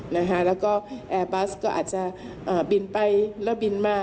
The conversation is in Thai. แล้วก็แอร์บัสก็อาจจะบินไปแล้วบินมา